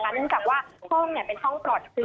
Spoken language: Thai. เนื่องจากว่าห้องเป็นห้องปลอดเชื้อ